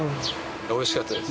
美味しかったです。